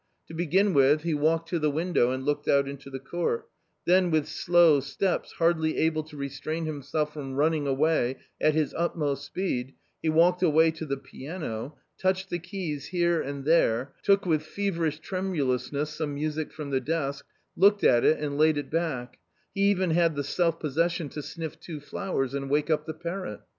To begin with, he walked to the window and looked out into the court Then with slow steps hardly able to restrain himself from running away at his utmost speed, he walked away to the piano, touched the keys here and there, took with feverish tremulousness some music from the desk, looked at it and laid it back : he even had the self possession to sniff two flowers and wake up the parrot.